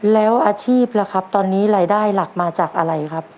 แล้วอาชีพล่ะครับตอนนี้รายได้หลักมาจากอะไรครับ